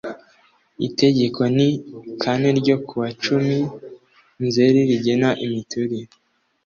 Itegeko n kane ryo ku wa cumi nzeri rigena imiturire